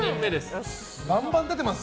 バンバン出てます